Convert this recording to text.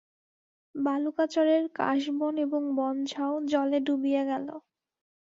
বালুকাচরের কাশবন এবং বনঝাউ জলে ডুবিয়া গেল।